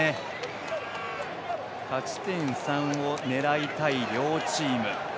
勝ち点３を狙いたい両チーム。